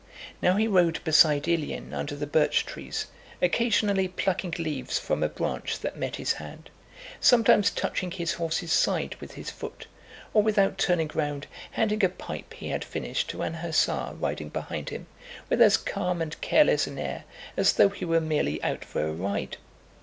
Now he rode beside Ilyín under the birch trees, occasionally plucking leaves from a branch that met his hand, sometimes touching his horse's side with his foot, or, without turning round, handing a pipe he had finished to an hussar riding behind him, with as calm and careless an air as though he were merely out for a ride.